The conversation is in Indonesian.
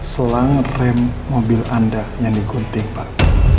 selang rem mobil anda yang dikuntik pak